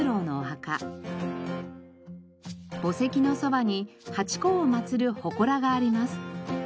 墓石のそばにハチ公を祭る祠があります。